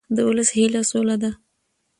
د ولس هیله سوله ده